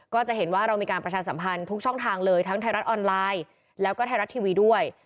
ก็จะเห็นว่าเรามีการประชาสัมพันธ์ทุกช่องทางเลยทั้งไทยรัฐออนไลน์แล้วก็ไทยรัฐทีวีด้วย